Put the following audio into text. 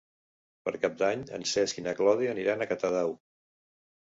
Per Cap d'Any en Cesc i na Clàudia aniran a Catadau.